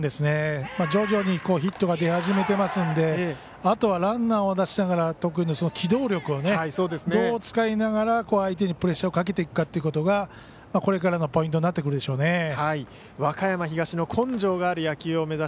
徐々にヒットが出始めてますのであとはランナーを出しながら得意の機動力をどう使いながら相手にプレッシャーをかけていくかということがこれからのポイントになってくるでしょうね。